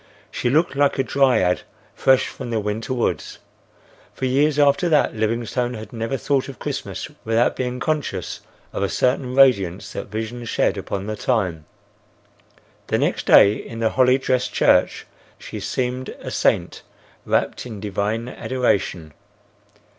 She looked like a dryad fresh from the winter woods. For years after that Livingstone had never thought of Christmas without being conscious of a certain radiance that vision shed upon the time. The next day in the holly dressed church she seemed a saint wrapt in divine adoration.